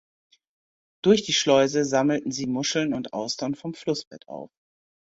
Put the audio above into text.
Durch die Schleuse sammelten sie Muscheln und Austern vom Flussbett auf.